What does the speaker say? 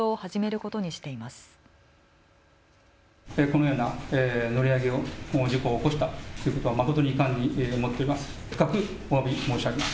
このような乗り上げ事故を起こしたことは誠に遺憾に思っております。